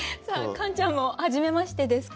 カンちゃんもはじめましてですか？